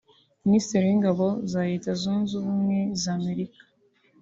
Minisitiri w’ingabo za Leta zunze ubumwe za Amerika